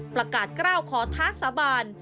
ประกาศกล้าวขอท้าสาบาน